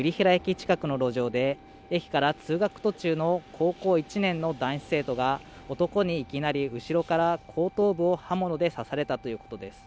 近くの路上で駅から通学途中の高校１年の男子生徒が男にいきなり後ろから後頭部を刃物で刺されたということです